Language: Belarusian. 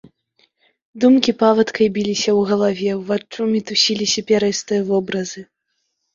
Думкі павадкай біліся ў галаве, уваччу мітусіліся пярэстыя вобразы.